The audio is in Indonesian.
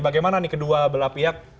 bagaimana nih kedua belah pihak